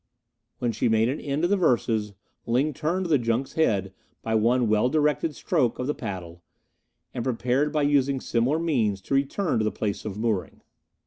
When she made an end of the verses, Ling turned the junk's head by one well directed stroke of the paddle, and prepared by using similar means to return to the place of mooring.